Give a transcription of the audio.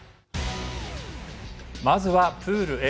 まずは、プールＡ。